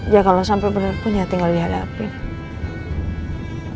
ya kalau sampai bener pun ya tinggal dihadapin